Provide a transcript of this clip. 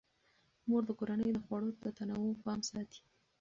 مور د کورنۍ د خوړو د تنوع پام ساتي.